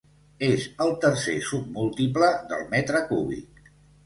És el tercer submúltiple del metre cúbic.